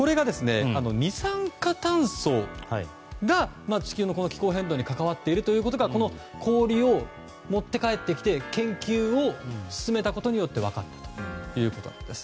二酸化炭素が地球の気候変動に関わっていることがこの氷を持って帰ってきて研究を進めたことによって分かったということです。